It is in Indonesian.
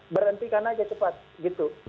berhentikan saja cepat